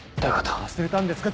忘れたんですか？